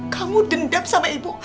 kamu dendam sama ibu